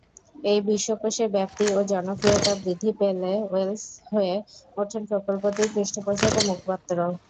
এই বিশ্বকোষের ব্যাপ্তি ও জনপ্রিয়তা বৃদ্ধি পেলে ওয়েলস হয়ে ওঠেন প্রকল্পটির পৃষ্ঠপোষক ও মুখপাত্র।